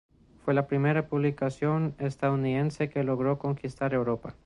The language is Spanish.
Fue la primera publicación estadounidense que logró conquistar Europa.